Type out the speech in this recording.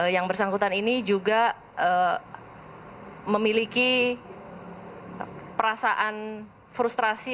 yang bersangkutan ini juga memiliki perasaan frustrasi